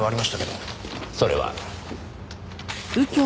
それは。